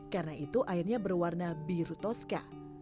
karena itu airnya berwarna biru toska